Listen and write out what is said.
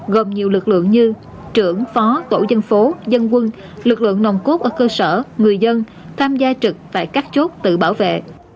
gồm nhiều lực lượng như trưởng phó tổ dân phố dân quân lực lượng nồng cốt ở cơ sở người dân tham gia trực tại các chốt tự bảo vệ